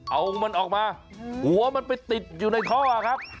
เอามันออกมาหัวมันไปติดอยู่ในท่อครับ